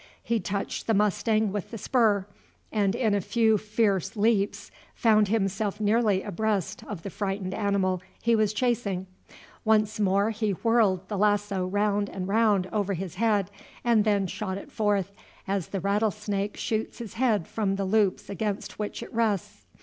He touched the mustang with the spur, and in a few fierce leaps found himself nearly abreast of the frightened animal he was chasing. Once more he whirled the lasso round and round over his head, and then shot it forth, as the rattlesnake shoots his head from the loops against which it rests.